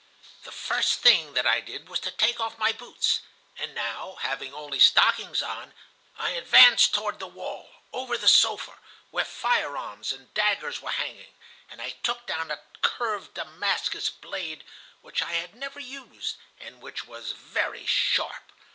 "The first thing that I did was to take off my boots, and now, having only stockings on, I advanced toward the wall, over the sofa, where firearms and daggers were hanging, and I took down a curved Damascus blade, which I had never used, and which was very sharp.